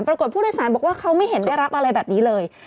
ผู้โดยสารบอกว่าเขาไม่เห็นได้รับอะไรแบบนี้เลย